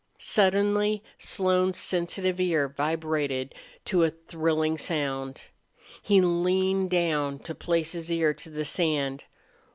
Suddenly Slone's sensitive ear vibrated to a thrilling sound. He leaned down to place his ear to the sand.